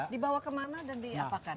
dibawa ke mana dan diapakan